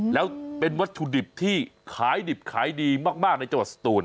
แล้วเป็นวัตถุดิบที่ขายดิบขายดีมากในจังหวัดสตูน